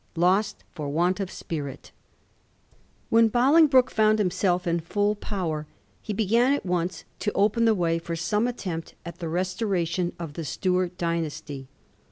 ^LOST FOB WANT OP SPIRIT/ When Bolingbroke found himself in full power he began at once to open the way for some attempt at the restoration of the Stuart dynasty.